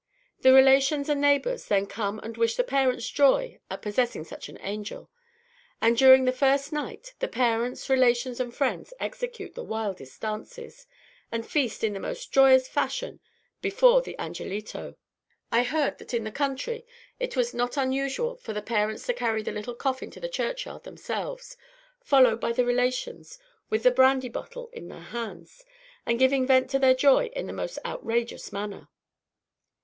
The relations and neighbours then come and wish the parents joy at possessing such an angel; and, during the first night, the parents, relations, and friends execute the wildest dances, and feast in the most joyous fashion before the angelito. I heard that in the country it was not unusual for the parents to carry the little coffin to the churchyard themselves, followed by the relations with the brandy bottle in their hands, and giving vent to their joy in the most outrageous manner.